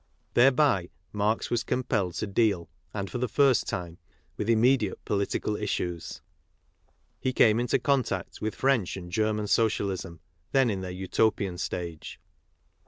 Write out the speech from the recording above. Thereby Marx was compelled to deal, and for the first time, with immediate political issues'. He came into contact with French and German Social ism, then in their Utopian stage.